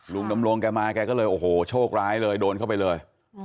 ดำรงแกมาแกก็เลยโอ้โหโชคร้ายเลยโดนเข้าไปเลย